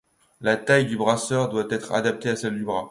La taille du brassard doit être adaptée à celle du bras.